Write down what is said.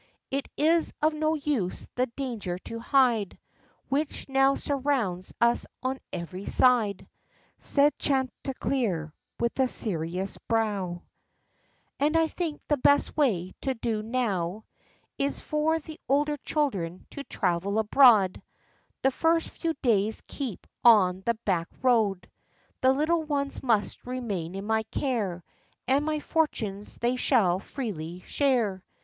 "It is of no use the danger to hide Which now surrounds us on every side," Said Chanticleer, with a serious brow; "And I think the best way to do now Is for the older children to travel abroad, — The first few days keep on the back road. The little ones must remain in my care ; And my fortunes they shall freely share.